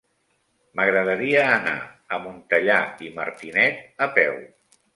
M'agradaria anar a Montellà i Martinet a peu.